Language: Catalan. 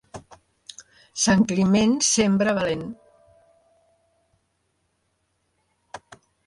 Sant Climent, sembra valent.